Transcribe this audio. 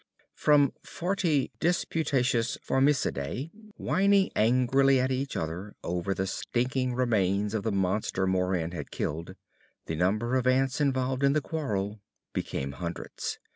From forty disputatious formicidae, whining angrily at each other over the stinking remains of the monster Moran had killed, the number of ants involved in the quarrel became hundreds.